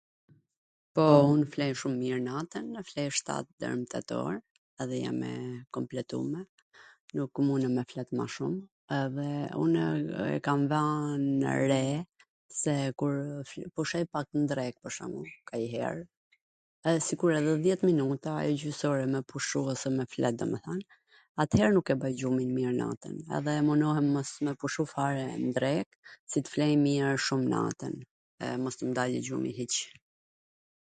Po, unw fle shum mir natwn dhe fle shtat der nw tet or, edhe jam e kompletume, nuk munem me flet ma shum, edhe unw kam vwn re se kur fle pak nw drek, pwr shwmbull, kanjher, edhe sikur edhe dhjet minuta apo gjys ore me pushu ose me flet domethwn, at-her nuk e bwj gjumin mir natwn, edhe munohem me mos pushu fare n drek qw tw flw mir shum natwn edhe mos tw m dali gjumi hiC,